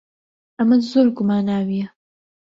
ئەمە زۆر گوماناوییە.